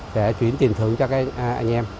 sẽ chuyển tiền thưởng cho các anh em